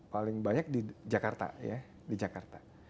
paling banyak di jakarta ya di jakarta